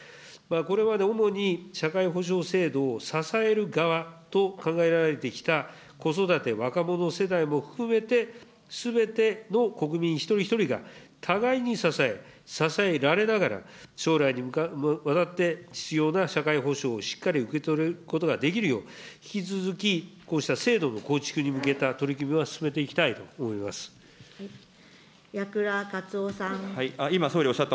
これまで主に社会保障制度を支える側と考えられてきた子育て・若者世代も含めて、すべての国民一人一人が互いに支え、支えられながら、将来に向かって必要な社会保障をしっかり受け取ることができるよう、引き続きこうした制度の構築に向けた取り組みは進めていきた矢倉克夫さん。